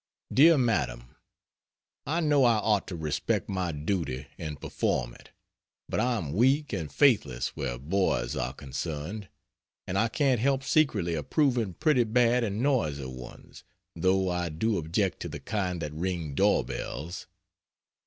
DEAR MADAM, I know I ought to respect my duty and perform it, but I am weak and faithless where boys are concerned, and I can't help secretly approving pretty bad and noisy ones, though I do object to the kind that ring door bells.